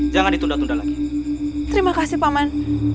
jangan ditunda tunda lagi terima kasih pak man